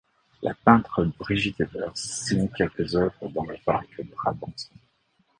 La peintre Brigitte Evers signe quelques œuvres dans le parc brabançon.